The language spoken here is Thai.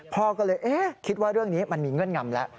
พ่อก็เลยคิดว่าเรื่องนี้มันมีเงื่อนงำแล้ว